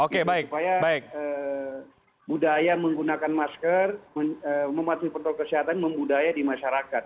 supaya budaya menggunakan masker mematuhi protokol kesehatan membudaya di masyarakat